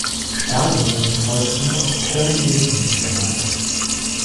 Staden wird im Volksmund auch „Klein Venedig“ genannt.